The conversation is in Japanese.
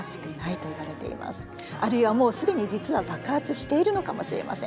あるいはもう既に実は爆発しているのかもしれません。